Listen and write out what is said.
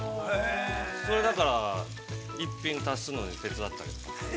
それだから、一品足すのに手伝ってあげる。